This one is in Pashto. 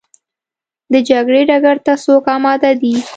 د جګړې ډګر ته څوک اماده دي؟